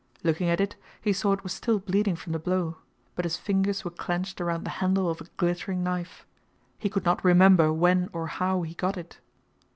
Looking at it, he saw it was still bleeding from the blow, but his fingers were clenched around the handle of a glittering knife. He could not remember when or how he got it.